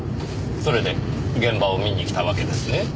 それで現場を見に来たわけですね？